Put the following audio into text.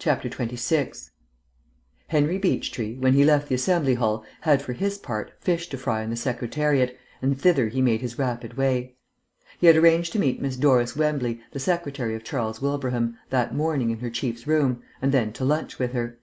26 Henry Beechtree, when he left the Assembly Hall, had, for his part, fish to fry in the Secretariat, and thither he made his rapid way. He had arranged to meet Miss Doris Wembley, the secretary of Charles Wilbraham, that morning in her chief's room, and then to lunch with her.